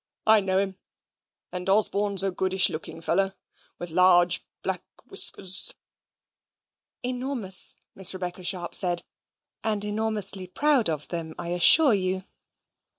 I know him; and Osborne's a goodish looking fellow, with large black whiskers?" "Enormous," Miss Rebecca Sharp said, "and enormously proud of them, I assure you."